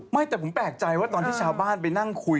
ไม่แต่ผมแปลกใจว่าตอนที่ชาวบ้านไปนั่งคุย